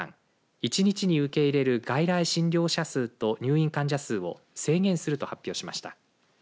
１日に受け入れる外来診療者数と入院患者数を制限すると発表しました。